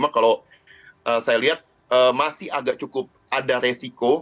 kalau saya lihat masih agak cukup ada resiko